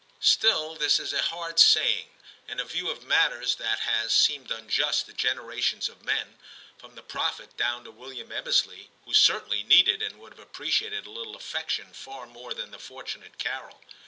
Still this is a hard saying, and a view of matters that has seemed unjust to generations of men, from the prophet down to William Ebbesley, who certainly needed and would have appreciated a little affection far more than the fortunate Carol.